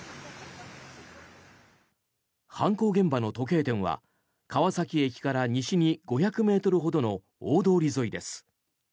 犯行現場の時計店は川崎駅から西に５００ｍほどの大通り沿いです。